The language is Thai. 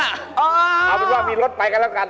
เอาเป็นว่ามีรถไปกันแล้วกัน